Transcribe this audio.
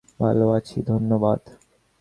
ভালো আছি, ধন্যবাদ।